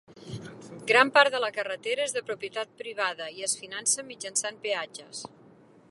Gran part de la carretera és de propietat privada i es finança mitjançant peatges.